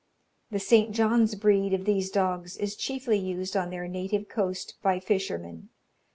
The St. John's breed of these dogs is chiefly used on their native coast by fishermen.